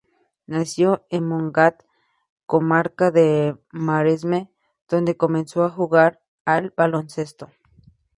Nació en Montgat, Comarca del Maresme, donde comenzó a jugar al baloncesto.